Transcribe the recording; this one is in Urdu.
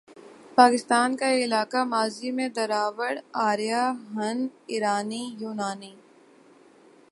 پاکستان کا علاقہ ماضی میں دراوڑ، آریا، ہن، ایرانی، یونانی،